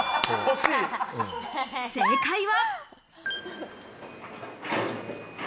正解は。